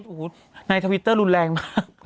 โอ้โหในทวิตเตอร์รุนแรงมาก